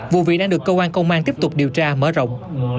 vụ việc đang được công an công an tiếp tục điều tra mở rộng